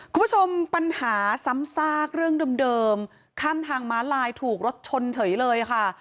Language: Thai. คุณผู้ชมปัญหาซ้ำซากเรื่องเดิมข้ามทางม้าลายถูกรถชนเฉยเลยค่ะ